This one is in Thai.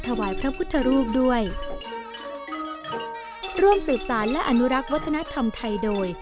ถวายพระพุทธรูปด้วยร่วมสืบสารและอนุรักษ์วัฒนธรรมไทยโดย